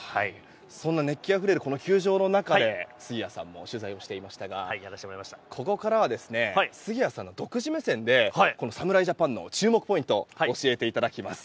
そんな熱気あふれる球場の中で杉谷さんも取材していましたがここからは杉谷さんの独自目線でこの侍ジャパンの注目ポイントを教えていただきます。